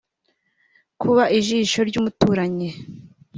kuba ijisho ry’umuturanyi